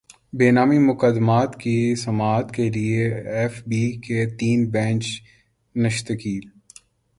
بے نامی مقدمات کی سماعت کیلئے ایف بی کے تین بینچ تشکیل